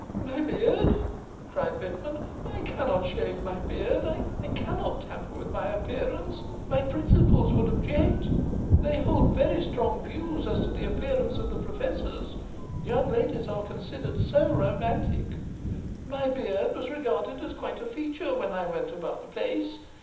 'My beard!' cried Pitman. 'I cannot shave my beard. I cannot tamper with my appearance my principals would object. They hold very strong views as to the appearance of the professors young ladies are considered so romantic. My beard was regarded as quite a feature when I went about the place.